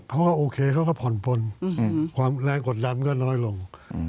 ก็โอเคเค้าก็ผ่อนปนความแรงกฎดามก็น้อยลง